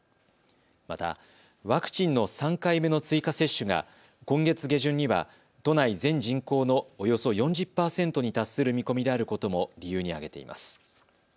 また、ワクチンの３回目の追加接種が今月下旬には都内全人口のおよそ４０％に達する見込みであることも理由に挙げています。